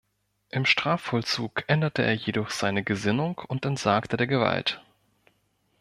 Im Strafvollzug änderte er jedoch seine Gesinnung und entsagte der Gewalt.